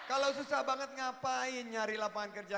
kalau susah banget ngapain nyari lapangan kerja